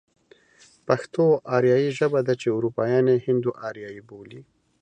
پښتو آريايي ژبه ده چې اروپايان يې هند و آريايي بولي.